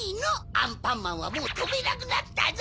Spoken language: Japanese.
アンパンマンはもうとべなくなったぞ！